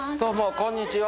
こんにちは。